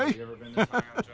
ハハハ。